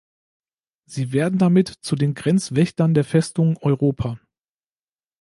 Sie werden damit zu den Grenzwächtern der Festung Europa.